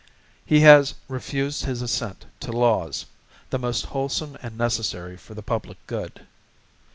He has refused his Assent to Laws, the most wholesome and necessary for the public good.